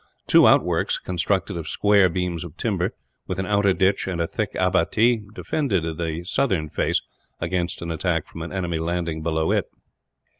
Two outworks, constructed of square beams of timber, with an outer ditch and a thick abbatis, defended the southern face against an attack from an enemy landing below it.